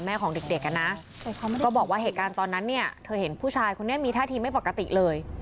ของเด็กนะก็บอกว่าเหตุการณ์ตอนนั้นเนี่ยเธอเห็นผู้ชายคนนี้มีท่าทีไม่ปกติเลย